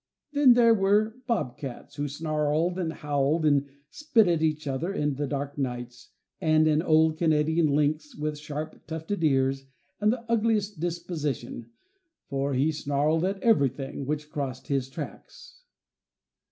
Then there were bobcats, who snarled and howled and spit at each other in the dark nights, and an old Canadian lynx with sharp, tufted ears, and the ugliest disposition, for he snarled at everything which crossed his tracks.